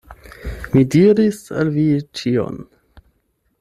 Mi diris al vi ĉion.